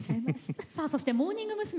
そしてモーニング娘。